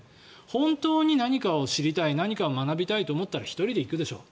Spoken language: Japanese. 本当に何かを知りたい何かを学びたいと思ったら１人で行くでしょう。